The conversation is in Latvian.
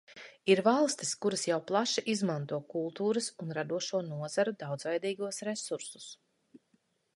Ir valstis, kuras jau plaši izmanto kultūras un radošo nozaru daudzveidīgos resursus.